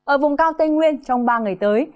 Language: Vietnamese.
ở vùng cao tây nguyên trong ba ngày tới